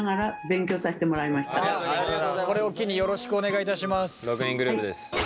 これを機によろしくお願いいたします。